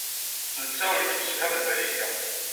Netta ur yettemsefham ed Malika.